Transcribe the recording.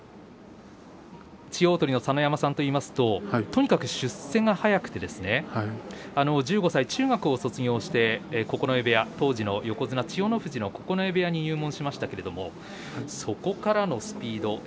千代鳳の佐ノ山さんといいますととにかく出世が速くて１５歳、中学を卒業して九重部屋当時の横綱千代の富士の九重部屋に入門しましたけれどもそこからのスピード。